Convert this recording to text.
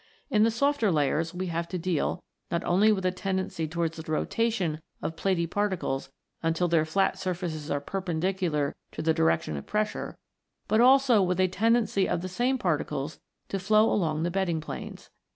In the softer layers, we have to deal, not only with a tendency towards the rotation of platy particles until their flat surfaces are perpendicular to the direction of pressure, but also with a tendency of the same particles to flow along the bedding planes.